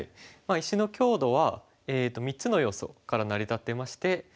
石の強度は３つの要素から成り立ってまして。